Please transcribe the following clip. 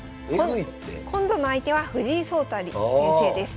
今度の相手は藤井聡太先生です。